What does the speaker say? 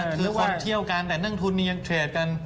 คือวันเที่ยวกันแต่นั่งทุนนี้ยังเทรดกัน